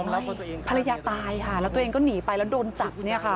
อันนี้ภรรณาตายแล้วตัวเองก็หนีไปและโดนจับ